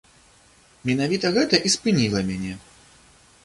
Менавіта гэта і спыніла мяне.